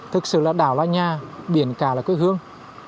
thực sự là đảo là nhà biển cả là quê hương